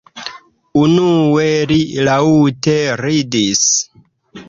Unue, li laŭte ridis.